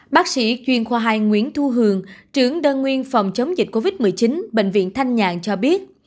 bác sĩ chuyên khoa hai nguyễn thu hường trưởng đơn nguyên phòng chống dịch covid một mươi chín bệnh viện thanh nhàn cho biết